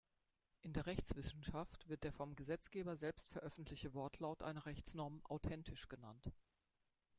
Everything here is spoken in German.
In der Rechtswissenschaft wird der vom Gesetzgeber selbst veröffentlichte Wortlaut einer Rechtsnorm "authentisch" genannt.